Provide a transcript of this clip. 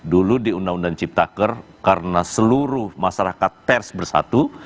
dulu di undang undang ciptaker karena seluruh masyarakat pers bersatu